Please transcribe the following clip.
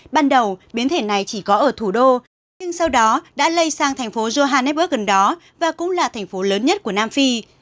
ban đầu biến thể này chỉ có ở thủ đô nhưng sau đó đã lây sang thành phố johannesburg gần đó và cũng là thành phố lớn nhất của nam phi